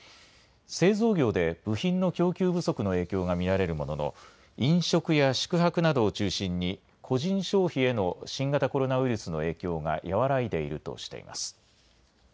製造業で部品の供給不足の影響が見られるものの、飲食や宿泊などを中心に、個人消費への新型コロナウイルスの影響が和らいでいるとしています。